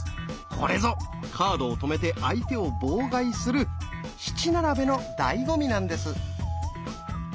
これぞカードを止めて相手を妨害する「七並べ」のだいご味なんです！